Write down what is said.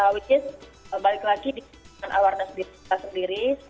which is balik lagi di awal awal di kita sendiri